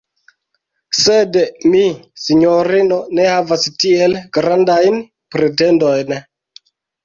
Sed mi, sinjorino, ne havas tiel grandajn pretendojn.